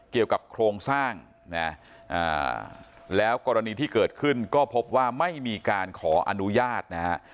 เกี่ยวกับโครงสร้างนะแล้วกรณีที่เกิดขึ้นก็พบว่าไม่มีการขออนุญาตนะฮะ